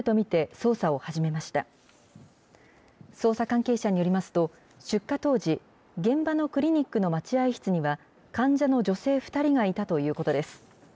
捜査関係者によりますと、出火当時、現場のクリニックの待合室には、患者の女性２人がいたということです。